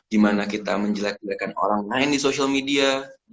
gimana kita menjelek belakang orang lain di social media